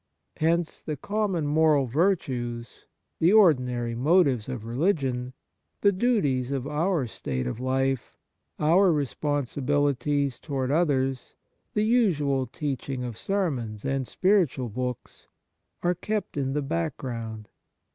Hence the common moral virtues, the ordinary motives of religion, the duties of our state of life, our responsibilities toward others, the usual teaching of sermons and spiritual books, are kept in Kind Actions gy the background.